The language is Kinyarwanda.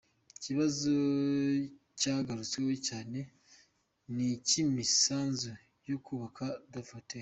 Ikibazo cyagarutsweho cyane ni icy’imisanzu yo kubaka Dove Hotel.